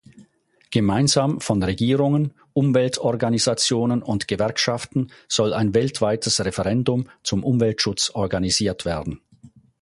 Gemeinsam von Regierungen, Umweltorganisationen und Gewerkschaften soll ein weltweites Referendum zum Umweltschutz organisiert werden.